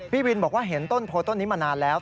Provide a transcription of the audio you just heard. พี่วินบอกว่าเห็นต้นโพต้นนี้มานานแล้ว